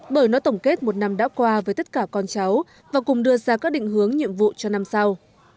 bởi nó tổng kết một năm đã qua với tất cả con cháu và cùng đưa ra các định hướng nhiệm vụ cho năm sau